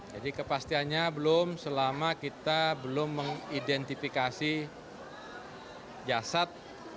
jadi kepastiannya belum selama kita belum mengidentifikasi jasad